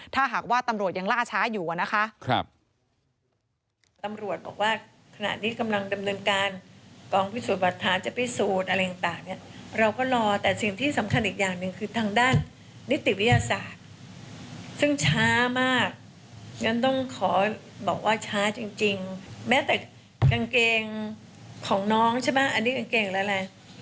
ถ้าหากว่าตำรวจยังล่าช้าอยู่นะคะ